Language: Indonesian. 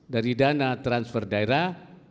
dari dana transfer daerah